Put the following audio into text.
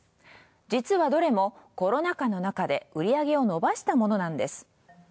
実はどれもコロナ禍のなかで売り上げを伸ばしたものなんです。